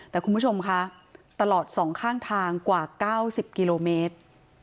แต่คุณผู้ชมคะตลอด๒ข้างทางกว่า๙๐กิโลเมตร